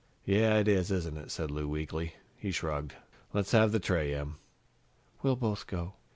"Yeah, it is, isn't it?" said Lou weakly. He shrugged. "Let's have the tray, Em." "We'll both go."